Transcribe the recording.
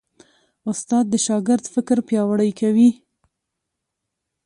استاد د شاګرد فکر پیاوړی کوي.